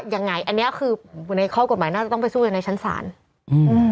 ยังไงอันเนี้ยคือในข้อกฎหมายน่าจะต้องไปสู้กันในชั้นศาลอืม